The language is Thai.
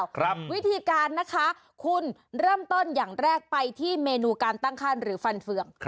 วิธีการนะคะคุณเริ่มต้นอย่างแรกไปที่เมนูการตั้งขั้นหรือฟันเฟือง